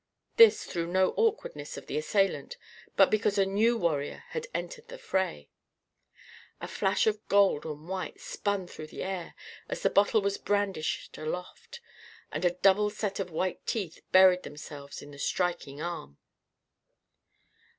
This through no awkwardness of the assailant, but because a new warrior had entered the fray. A flash of gold and white spun through the air, as the bottle was brandished aloft; and a double set of white teeth buried themselves in the striking arm.